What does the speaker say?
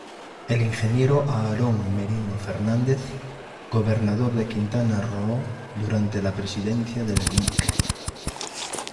El ingeniero Aarón Merino Fernández, gobernador de Quintana Roo, durante la presidencia del lic.